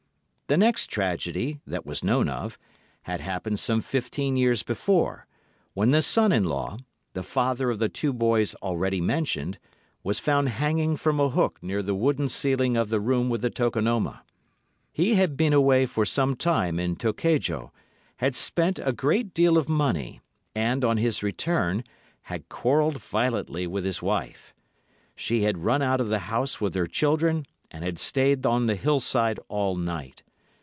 The next tragedy, that was known of, had happened some fifteen years before, when the son in law, the father of the two boys already mentioned, was found hanging from a hook near the wooden ceiling of the room with the tokonoma. He had been away for some time in Tokejo, had spent a great deal of money, and, on his return, had quarrelled violently with his wife. She had run out of the house with her children, and had stayed on the hillside all night.